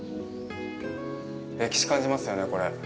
歴史感じますよね、これ。